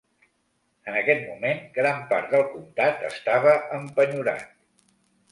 En aquest moment gran part del comtat estava empenyorat.